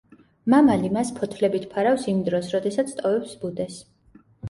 მამალი მას ფოთლებით ფარავს იმ დროს, როდესაც ტოვებს ბუდეს.